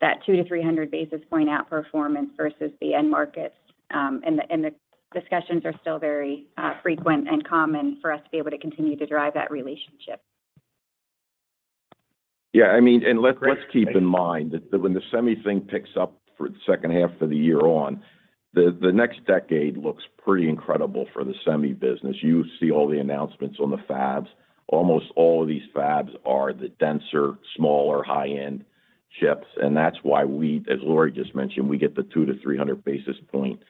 that 200-300 basis point outperformance versus the end markets. The discussions are still very frequent and common for us to be able to continue to drive that relationship. I mean, let's keep in mind that when the Semi thing picks up for the second half of the year, the next decade looks pretty incredible for the Semi business. You see all the announcements on the fabs. Almost all of these fabs are the denser, smaller, high-end chips. That's why we, as Lori just mentioned, we get the 200-300 basis point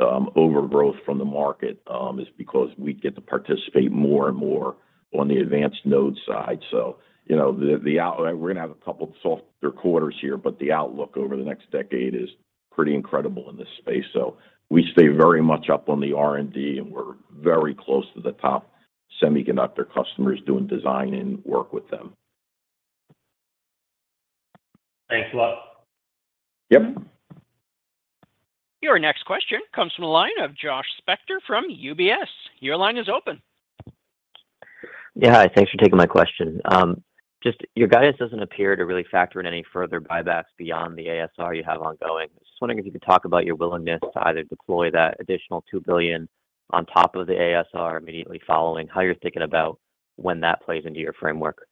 overgrowth from the market, is because we get to participate more and more on the advanced nodes side. You know, we're gonna have a couple softer quarters here, but the outlook over the next decade is pretty incredible in this space. We stay very much up on the R&D, and we're very close to the top semiconductor customers doing design and work with them. Thanks a lot. Yep. Your next question comes from the line of Josh Spector from UBS. Your line is open. Yeah. Hi, thanks for taking my question. Just your guidance doesn't appear to really factor in any further buybacks beyond the ASR you have ongoing. Just wondering if you could talk about your willingness to either deploy that additional $2 billion on top of the ASR immediately following, how you're thinking about when that plays into your framework.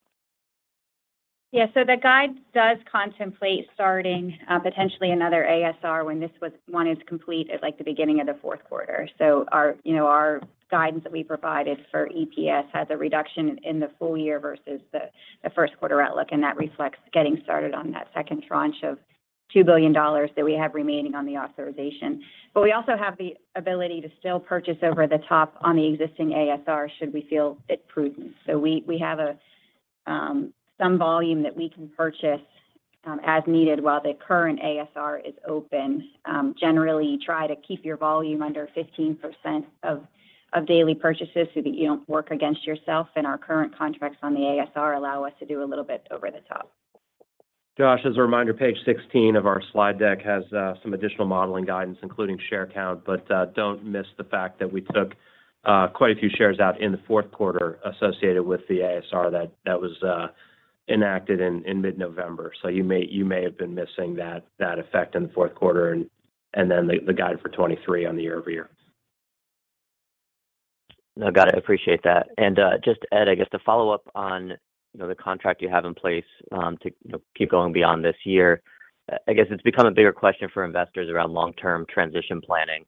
Yeah. The guide does contemplate starting potentially another ASR when one is complete at, like, the beginning of the Q4. Our, you know, our guidance that we provided for EPS has a reduction in the full year versus the Q1 outlook, and that reflects getting started on that second tranche of $2 billion that we have remaining on the authorization. We also have the ability to still purchase over the top on the existing ASR should we feel it prudent. We have a some volume that we can purchase as needed while the current ASR is open. Generally try to keep your volume under 15% of daily purchases so that you don't work against yourself, and our current contracts on the ASR allow us to do a little bit over the top. Josh, as a reminder, page 16 of our slide deck has some additional modeling guidance, including share count. Don't miss the fact that we took quite a few shares out in the Q4 associated with the ASR that was enacted in mid-November. You may have been missing that effect in the Q4 and then the guide for 2023 on the year-over-year. No, got it. Appreciate that. Just Ed, I guess to follow up on, you know, the contract you have in place, to, you know, keep going beyond this year, I guess it's become a bigger question for investors around long-term transition planning.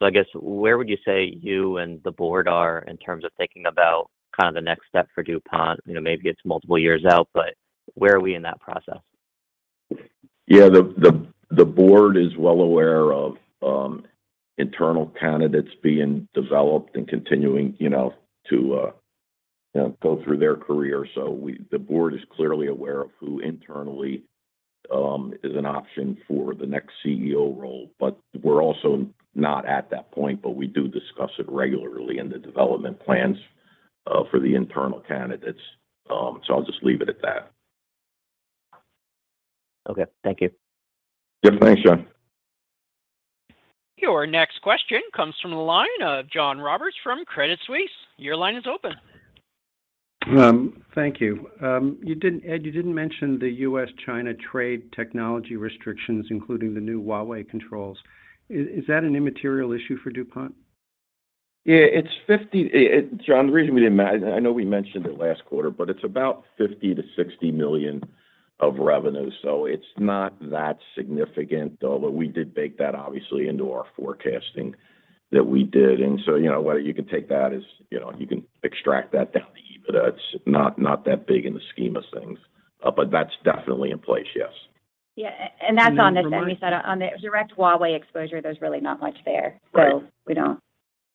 I guess where would you say you and the board are in terms of thinking about kind of the next step for DuPont? You know, maybe it's multiple years out, but where are we in that process? Yeah. The board is well aware of internal candidates being developed and continuing, you know, to, you know, go through their career. The board is clearly aware of who internally is an option for the next CEO role, but we're also not at that point, but we do discuss it regularly in the development plans for the internal candidates. I'll just leave it at that. Okay. Thank you. Yep. Thanks, Josh. Your next question comes from the line of John Roberts from Credit Suisse. Your line is open. Thank you. You didn't, Ed, you didn't mention the U.S.-China trade technology restrictions, including the new Huawei controls. Is that an immaterial issue for DuPont? Yeah. John, the reason we didn't mention I know we mentioned it last quarter, but it's about $50 million-$60 million of revenue, so it's not that significant, though. We did bake that obviously into our forecasting that we did. You know, whether you can take that as, you know, you can extract that down to EBITDA, it's not that big in the scheme of things. That's definitely in place, yes. Yeah. That's on the Semi side. On the direct Huawei exposure, there's really not much there. Right. We don't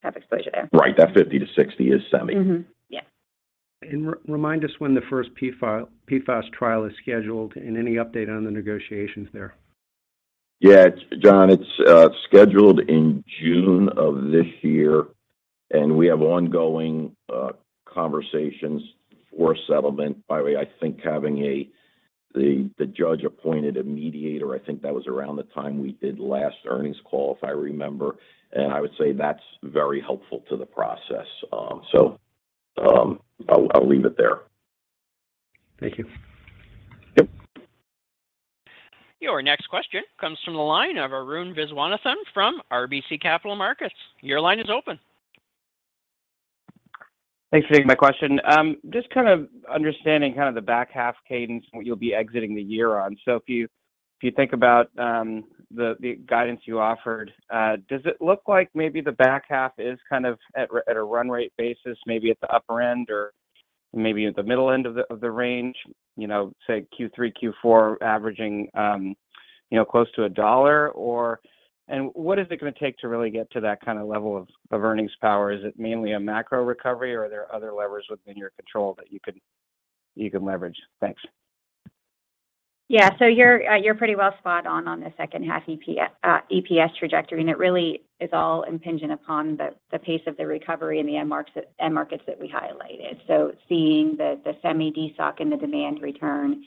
have exposure there. Right. That 50 to 60 is Semi. Mm-hmm. Yeah. Remind us when the first PFAS trial is scheduled and any update on the negotiations there? Yeah. It's, John, it's scheduled in June of this year, and we have ongoing conversations for settlement. By the way, I think having the judge appointed a mediator, I think that was around the time we did last earnings call, if I remember. I would say that's very helpful to the process. I'll leave it there. Thank you. Yep. Your next question comes from the line of Arun Viswanathan from RBC Capital Markets. Your line is open. Thanks for taking my question. Just kind of understanding kind of the back half cadence what you'll be exiting the year on. If you think about the guidance you offered, does it look like maybe the back half is kind of at a run rate basis, maybe at the upper end or maybe at the middle end of the range, you know, say Q3, Q4 averaging, you know, close to $1? What is it gonna take to really get to that kind of level of earnings power? Is it mainly a macro recovery, or are there other levers within your control that you can leverage? Thanks. You're pretty well spot on on the second half EPS trajectory, and it really is all impinging upon the pace of the recovery in the end markets that we highlighted. Seeing the Semi destock and the demand return,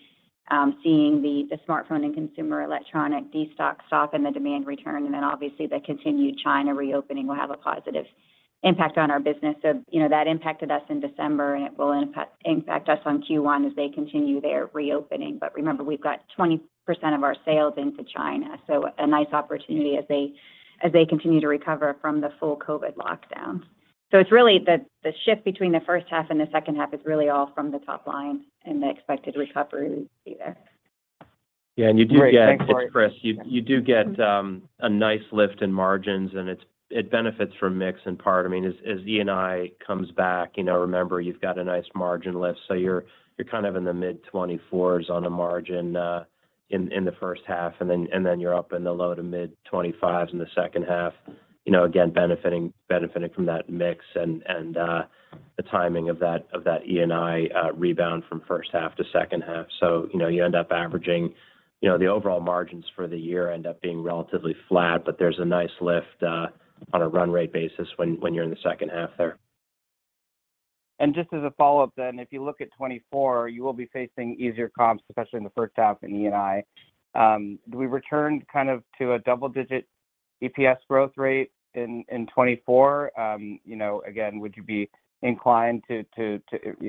seeing the smartphone and consumer electronic destock and the demand return, obviously the continued China reopening will have a positive impact on our business. You know, that impacted us in December, and it will impact us on Q1 as they continue their reopening. Remember, we've got 20% of our sales into China, so a nice opportunity as they continue to recover from the full COVID lockdown. It's really the shift between the first half and the second half is really all from the top line and the expected recovery we see there. Great. Thanks, Lori. Yeah. You do get, Chris, you do get a nice lift in margins, and it benefits from mix in part. I mean, as E&I comes back, you know, remember you've got a nice margin lift, so you're kind of in the mid 24s on a margin in the first half, and then you're up in the low to mid 25s in the second half. You know, again, benefiting from that mix and the timing of that E&I rebound from first half to second half. You know, you end up averaging, you know, the overall margins for the year end up being relatively flat, but there's a nice lift on a run rate basis when you're in the second half there. Just as a follow-up then, if you look at 2024, you will be facing easier comps, especially in the first half in E&I. Do we return kind of to a double-digit EPS growth rate in 2024? You know, again, would you be inclined to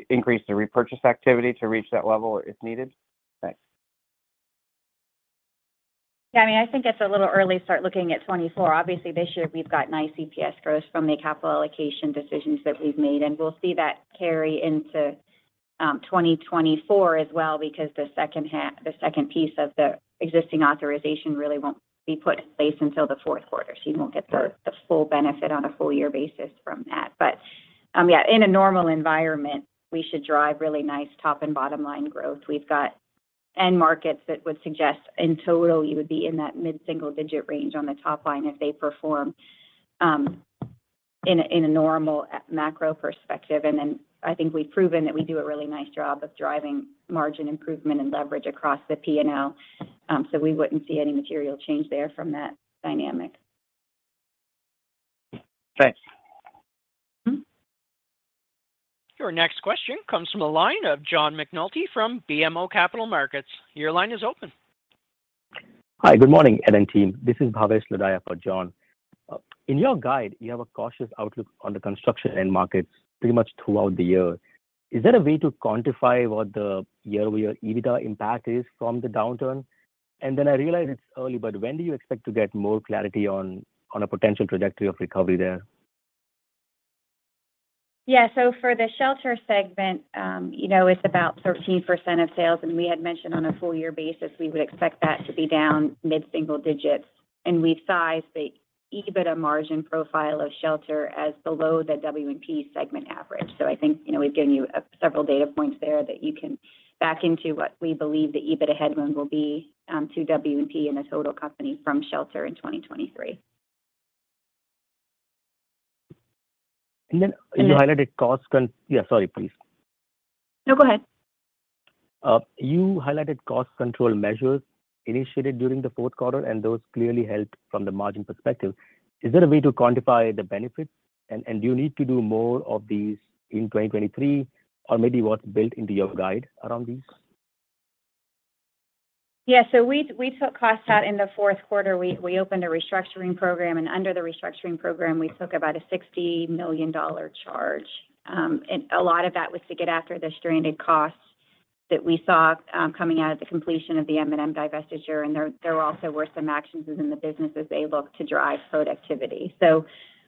increase the repurchase activity to reach that level if needed? Thanks. I mean, I think it's a little early to start looking at 2024. This year we've got nice EPS growth from the capital allocation decisions that we've made, and we'll see that carry into 2024 as well because the second piece of the existing authorization really won't be put in place until the Q4, so you won't get the full benefit on a full year basis from that. In a normal environment, we should drive really nice top and bottom line growth. We've got end markets that would suggest in total you would be in that mid-single-digit range on the top line if they perform in a normal macro perspective. I think we've proven that we do a really nice job of driving margin improvement and leverage across the P&L. We wouldn't see any material change there from that dynamic. Thanks. Mm-hmm. Your next question comes from the line of John McNulty from BMO Capital Markets. Your line is open. Hi, good morning, Ed and team. This is Bhavesh Lodaya for John. In your guide, you have a cautious outlook on the construction end markets pretty much throughout the year. Is there a way to quantify what the year-over-year EBITDA impact is from the downturn? I realize it's early, but when do you expect to get more clarity on a potential trajectory of recovery there? Yeah. For the Shelter segment, you know, it's about 13% of sales. We had mentioned on a full year basis we would expect that to be down mid-single digits. We've sized the EBITDA margin profile of Shelter as below the W&P segment average. I think, you know, we've given you several data points there that you can back into what we believe the EBITDA headroom will be to W&P and the total company from Shelter in 2023. And then- And then- You highlighted cost. Yeah, sorry, please. No, go ahead. You highlighted cost control measures initiated during the Q4, and those clearly helped from the margin perspective. Is there a way to quantify the benefits, and do you need to do more of these in 2023, or maybe what's built into your guide around these? Yeah. We took costs out in the Q4. We opened a restructuring program, and under the restructuring program, we took about a $60 million charge. A lot of that was to get after the stranded costs that we saw, coming out of the completion of the M&M divestiture. There also were some actions within the business as they look to drive productivity.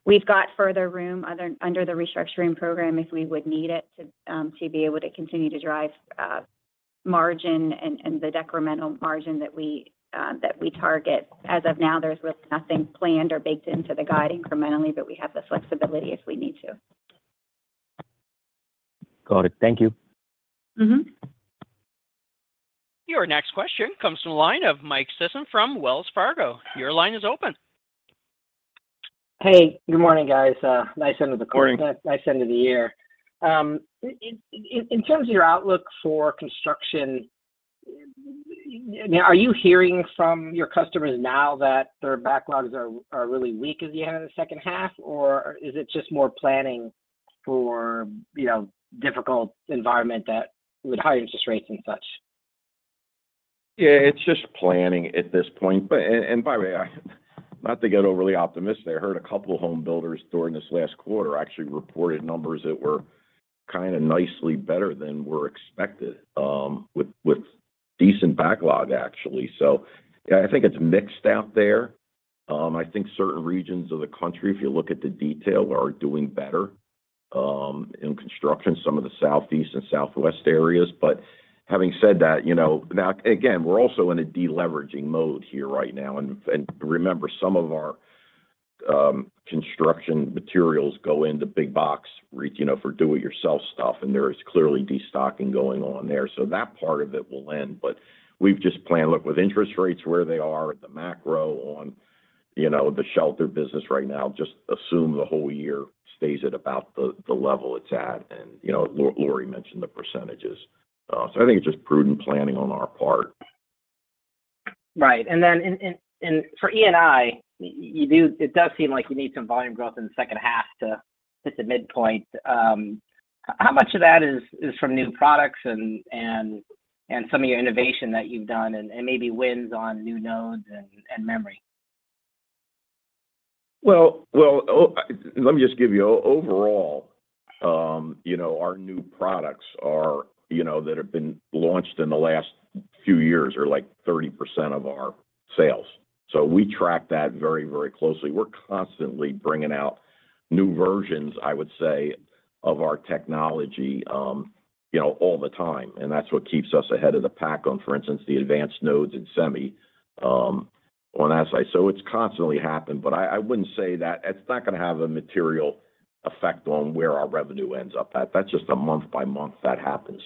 We've got further room under the restructuring program, if we would need it, to be able to continue to drive margin and the decremental margin that we target. As of now, there's really nothing planned or baked into the guide incrementally, but we have the flexibility if we need to. Got it. Thank you. Mm-hmm. Your next question comes from the line of Michael Sison from Wells Fargo. Your line is open. Hey, good morning, guys. Nice end of the quarter. Morning. Nice end of the year. In terms of your outlook for construction, you know, are you hearing from your customers now that their backlogs are really weak as the end of the second half, or is it just more planning for, you know, difficult environment that with higher interest rates and such? Yeah, it's just planning at this point. And by the way, not to get overly optimistic, I heard a couple home builders during this last quarter actually reported numbers that were kind of nicely better than were expected, with decent backlog actually. I think it's mixed out there. I think certain regions of the country, if you look at the detail, are doing better, in construction, some of the southeast and southwest areas. Having said that, you know, now again, we're also in a deleveraging mode here right now. And remember, some of our construction materials go into big box you know, for do-it-yourself stuff, and there is clearly destocking going on there. That part of it will end, but we've just planned, look, with interest rates where they are at the macro on, you know, the Shelter business right now, just assume the whole year stays at about the level it's at. You know, Lori mentioned the percentages. I think it's just prudent planning on our part. Right. Then in for E&I, you do it does seem like you need some volume growth in the second half to hit the midpoint. How much of that is from new products and some of your innovation that you've done and maybe wins on new nodes and memory? Well, let me just give you. Overall, you know, our new products are, you know, that have been launched in the last few years are like 30% of our sales. We track that very, very closely. We're constantly bringing out new versions, I would say, of our technology, you know, all the time, and that's what keeps us ahead of the pack on, for instance, the advanced nodes in Semi on that side. It's constantly happening, but I wouldn't say It's not gonna have a material effect on where our revenue ends up at. That's just a month by month that happens.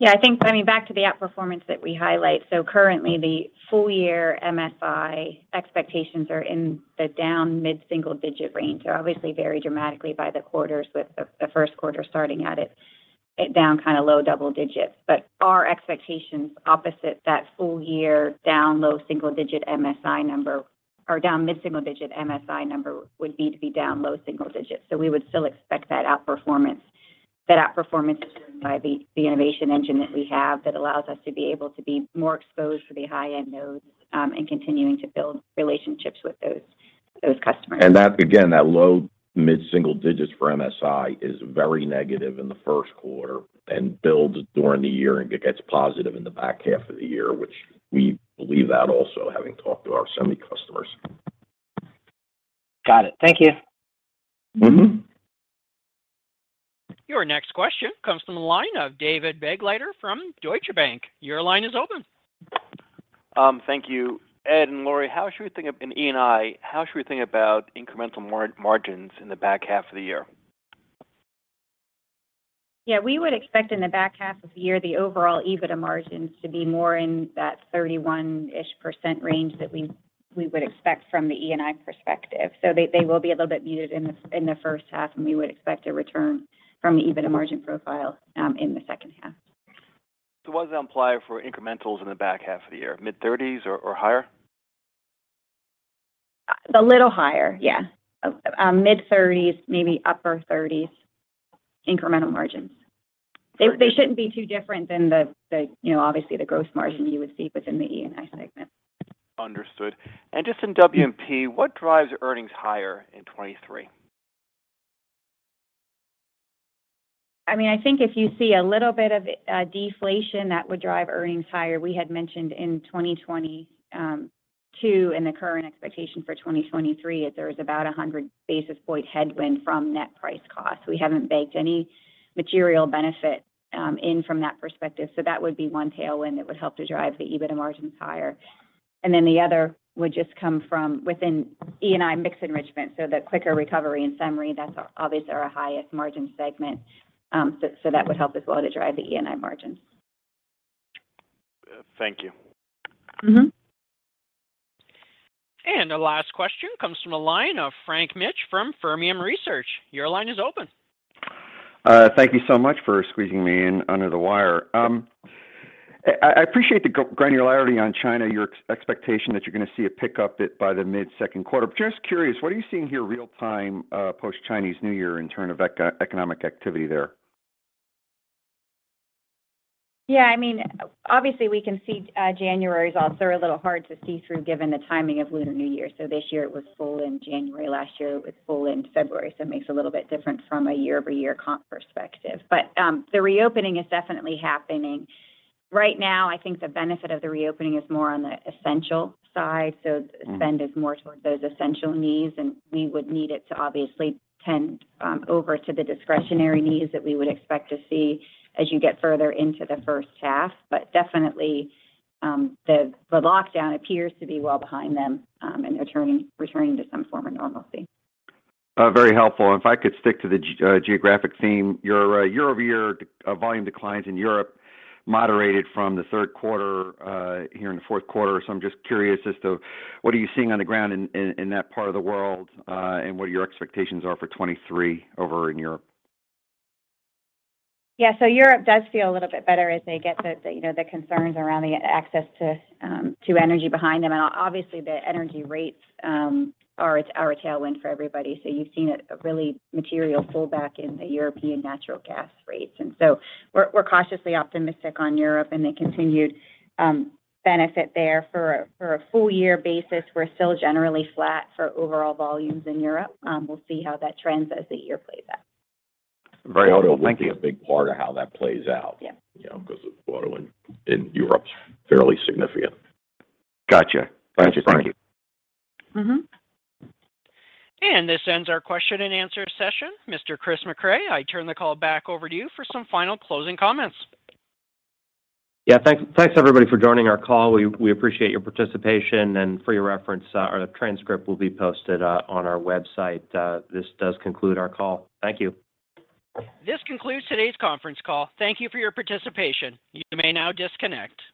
Yeah, I think, I mean, back to the outperformance that we highlight. Currently the full year MSI expectations are in the down mid-single digit range. They're obviously vary dramatically by the quarters with the Q1 starting at it down kind of low double digits. Our expectations opposite that full year down low single digit MSI number or down mid-single digit MSI number would need to be down low single digits. We would still expect that outperformance by the innovation engine that we have that allows us to be able to be more exposed for the high-end nodes, and continuing to build relationships with those customers. That, again, that low mid-single digits for MSI is very negative in the Q1 and builds during the year, and it gets positive in the back half of the year, which we believe that also having talked to our Semi customers. Got it. Thank you. Mm-hmm. Your next question comes from the line of David Begleiter from Deutsche Bank. Your line is open. Thank you. Ed and Lori, how should we think in E&I, how should we think about incremental margins in the back half of the year? We would expect in the back half of the year the overall EBITDA margins to be more in that 31-ish % range that we would expect from the E&I perspective. They will be a little bit muted in the first half, and we would expect a return from the EBITDA margin profile in the second half. What does that imply for incrementals in the back half of the year, mid-30s or higher? A little higher, yeah. A mid-30s, maybe upper 30s incremental margins. They shouldn't be too different than the, you know, obviously the gross margin you would see within the E&I segment. Understood. Just in W&P, what drives earnings higher in 2023? I mean, I think if you see a little bit of deflation, that would drive earnings higher. We had mentioned in 2022 and the current expectation for 2023 is there was about 100 basis point headwind from net price cost. We haven't baked any material benefit in from that perspective, so that would be one tailwind that would help to drive the EBITDA margins higher. The other would just come from within E&I mix enrichment, so the quicker recovery in summary, that's obviously our highest margin segment, so that would help as well to drive the E&I margins. Thank you. Mm-hmm. The last question comes from a line of Frank Mitsch from Fermium Research. Your line is open. Thank you so much for squeezing me in under the wire. I appreciate the granularity on China, your expectation that you're gonna see a pickup it by the mid-Q2. Just curious, what are you seeing here real time, post-Lunar New Year in term of eco-economic activity there? I mean, obviously we can see January's also a little hard to see through given the timing of Lunar New Year. This year it was full in January. Last year it was full in February. It makes a little bit different from a year-over-year comp perspective. The reopening is definitely happening. Right now, I think the benefit of the reopening is more on the essential side. Spend is more towards those essential needs, and we would need it to obviously tend over to the discretionary needs that we would expect to see as you get further into the first half. Definitely, the lockdown appears to be well behind them, and they're returning to some form of normalcy. Very helpful. If I could stick to the geographic theme, your year-over-year volume declines in Europe moderated from the Q3 here in the Q4. I'm just curious as to what are you seeing on the ground in that part of the world, and what your expectations are for 23 over in Europe? Yeah. Europe does feel a little bit better as they get the, you know, the concerns around the access to energy behind them. Obviously the energy rates are a tailwind for everybody. You've seen a really material pullback in the European natural gas rates. We're cautiously optimistic on Europe and the continued benefit there. For a full year basis, we're still generally flat for overall volumes in Europe. We'll see how that trends as the year plays out. Very helpful. Thank you. I think a big part of how that plays out. Yeah. You know, because of auto in Europe, fairly significant. Gotcha. Thanks, Frank. Thank you. Mm-hmm. This ends our question and answer session. Mr. Chris Mecray, I turn the call back over to you for some final closing comments. Yeah. Thanks everybody for joining our call. We appreciate your participation. For your reference, a transcript will be posted on our website. This does conclude our call. Thank you. This concludes today's conference call. Thank you for your participation. You may now disconnect.